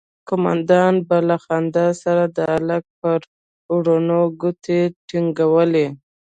قومندان به له خندا سره د هلک پر ورنونو گوتې ټينگولې.